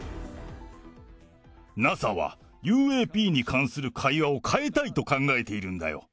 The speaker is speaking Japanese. ＮＡＳＡはＵＡＰに関する会話を変えたいと考えているんだよ。